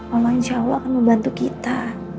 allah insya allah akan membantu kita